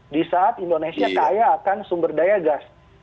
di saat indonesia kaya akan sumber daya gas